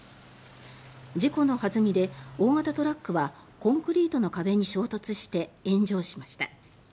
事故の弾みで大型トラックはコンクリートの壁に衝突して炎上しました。